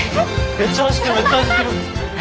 めっちゃ走ってる。